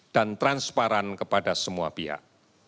dan transparan kepada semua pihak